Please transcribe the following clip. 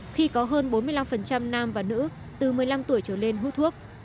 khi có hơn bốn mươi năm nam và nữ từ một mươi năm tuổi trở lên hút thuốc